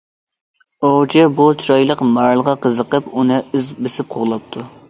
ئوۋچى بۇ چىرايلىق مارالغا قىزىقىپ، ئۇنى ئىز بېسىپ قوغلاپتۇ.